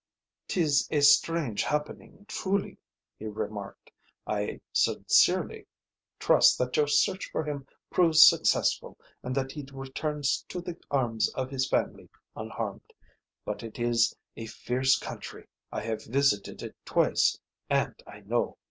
"'Tis a strange happening, truly," he remarked. "I sincerely trust that your search for him proves successful and that he returns to the arms of his family unharmed. But it is a fierce country. I have visited it twice, and I know."